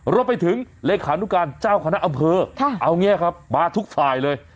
รวมไปถึงเลขานุการเจ้าคณะอำเภอเอาอย่างนี้ครับมาทุกฝ่ายเลย